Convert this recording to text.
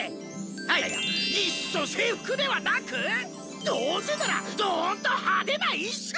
いやいやいっそ制服ではなくどうせならドンと派手な衣装にして！